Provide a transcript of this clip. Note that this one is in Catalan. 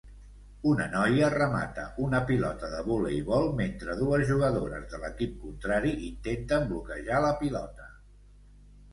Una noia remata una pilota de voleibol mentre dues jugadores de l'equip contrari intenten bloquejar la pilota.